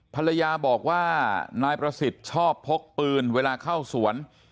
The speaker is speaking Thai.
ภรรยาบอกว่านายประสิทธิ์ชอบพกปืนเวลาเข้าสวน